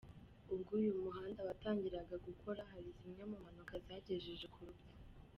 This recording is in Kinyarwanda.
Ubwo uyu muhanda watangiraga gukora hari zimwe mu mpanuka zagejeje ku rupfu.